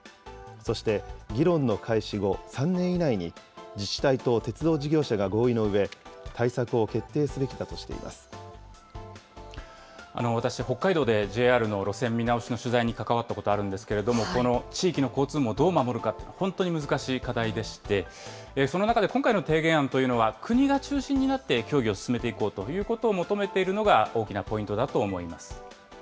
そして、議論の開始後３年以内に、自治体と鉄道事業者が合意のうえ、私、北海道でＪＲの路線見直しの取材に関わったことあるんですけれども、この地域の交通網をどう守るか、本当に難しい課題でして、その中で今回の提言案というのは、国が中心になって協議を進めていこうということを求めているのが、大きなポイントだと思います。